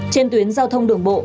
trên tuyến giao thông đường bộ